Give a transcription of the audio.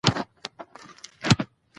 د لوی اختر حکمت